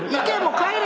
帰れ！